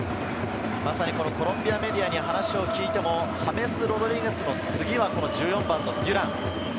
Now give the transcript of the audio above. コロンビアメディアに話を聞いてもハメス・ロドリゲスの次は１４番のデュラン。